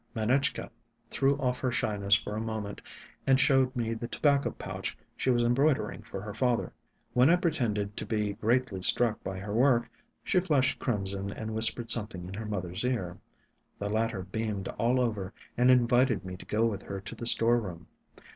Manetchka threw off her shyness for a moment and showed me the tobacco pouch she was embroidering for her father. When I pretended to be greatly struck by her work, she flushed crimson and whispered something in her mother's ear. The latter beamed all over, and invited me to go with her to the store room.